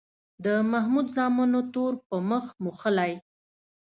د محمود زامنو تور په مخ موښلی.